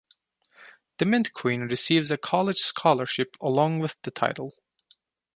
The Mint Queen receives a college scholarship along with the title.